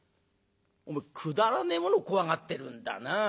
「おめえくだらねえもの怖がってるんだな。